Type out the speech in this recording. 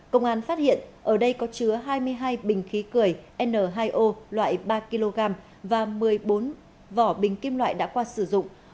công an phát hiện ở đây có chứa hai mươi hai bình khí cười n hai o loại ba kg và một mươi bốn vỏ bình kim loại đã qua sử dụng